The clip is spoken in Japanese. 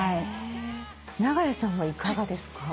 長屋さんはいかがですか？